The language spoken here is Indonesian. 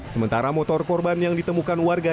sementara motor korban yang ditemukan warga